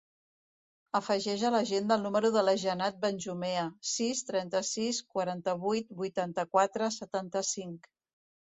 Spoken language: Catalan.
Afegeix a l'agenda el número de la Jannat Benjumea: sis, trenta-sis, quaranta-vuit, vuitanta-quatre, setanta-cinc.